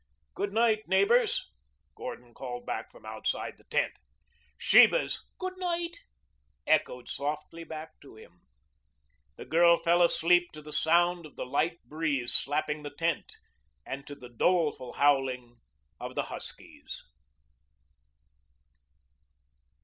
"Good night, neighbors," Gordon called back from outside the tent. Sheba's "Good night" echoed softly back to him. The girl fell asleep to the sound of the light breeze slapping the tent and to the doleful howling of the huskies.